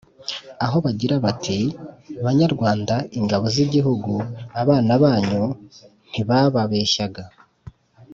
aho bagira bati: ''banyarwanda, ingabo z' i gihugu, abana banyu ''… ntibabeshyaga,